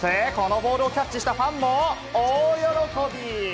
そしてこのボールをキャッチしたファンも大喜び！